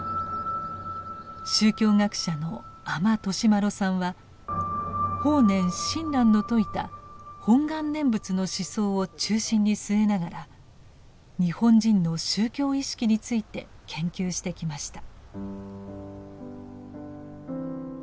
宗教学者の阿満利麿さんは法然親鸞の説いた本願念仏の思想を中心に据えながら日本人の宗教意識について研究してきました。